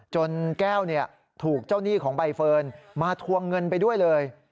แก้วถูกเจ้าหนี้ของใบเฟิร์นมาทวงเงินไปด้วยเลย